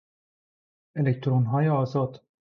الکترونهای آزاد